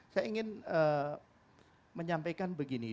saya ingin menyampaikan begini